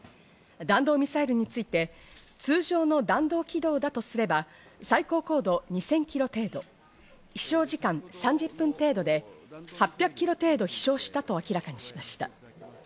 弾道ミサイルについて、通常の弾道軌道だとすれば、最高高度２０００キロ程度、飛翔時間３０分程度で、８００ｋｍ程度、飛翔したと明らかにしました。